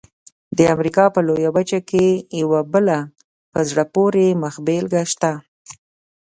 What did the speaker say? د امریکا په لویه وچه کې یوه بله په زړه پورې مخبېلګه شته.